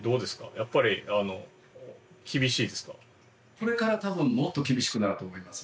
これから多分もっと厳しくなると思います。